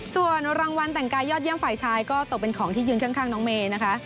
ส่วนรางวัลแต่งกายยอดเยี่ยมฝ่ายชายก็ตกเป็นของที่ยืนข้างน้องเมย์นะคะ